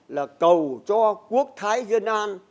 là cầu cho quốc thái dân an